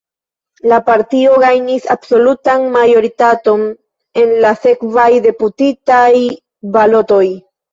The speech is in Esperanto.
La partio gajnis absolutan majoritaton en la sekvaj deputitaj balotoj.